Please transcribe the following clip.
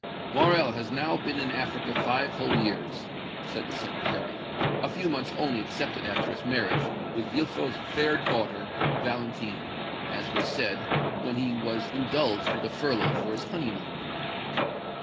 "Morrel has now been in Africa five whole years," said the Secretary "a few months only excepted after his marriage with Villefort's fair daughter, Valentine, (as was said) when he was indulged with a furlough for his honeymoon."